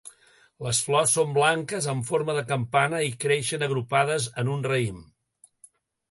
Les flors són blanques, amb forma de campana i creixen agrupades en un raïm.